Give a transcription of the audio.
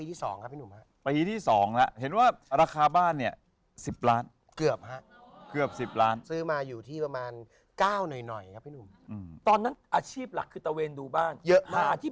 ที่อยู่ปัจจุบันถือว่าเป็นบ้านหลังที่สอง